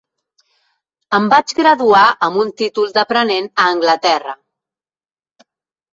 Em vaig graduar amb un títol d'aprenent a Anglaterra.